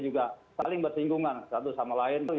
juga saling bersinggungan satu sama lain